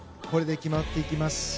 これで決まっていきます。